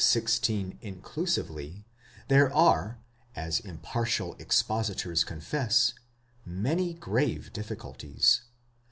16 inclusively, there are, as impartial expositors confess,>5 many grave difficulties.